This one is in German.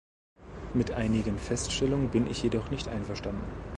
Mit einigen Feststellungen bin ich jedoch nicht einverstanden.